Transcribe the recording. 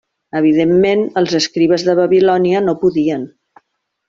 Evidentment, els escribes de Babilònia no podien.